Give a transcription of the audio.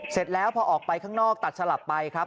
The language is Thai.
เสร็จแล้วพอออกไปข้างนอกตัดสลับไปครับ